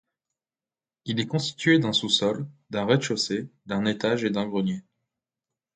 Il est constitué d'un sous-sol, d'un rez-chaussée, d'un étage et d'un grenier.